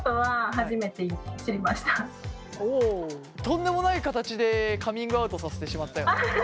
とんでもない形でカミングアウトさせてしまったよね。